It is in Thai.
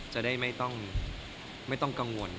จะได้ไม่ต้องกังวล